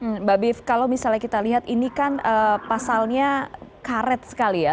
mbak biv kalau misalnya kita lihat ini kan pasalnya karet sekali ya